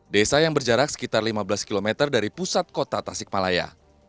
desa yang berjarak sekitar lima belas km dari pusat kota tasikmalaya